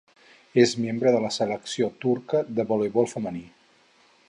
És membre de la selecció turca de voleibol femenina.